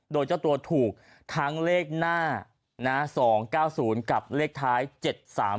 โดยเจ้าตัวถูกทั้งเลขหน้านะสองเก้าศูนย์กับเลขท้ายเจ็ดสาม